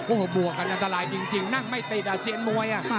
โอ้โหบวกกันอันตรายจริงนั่งไม่ติดอ่ะเซียนมวย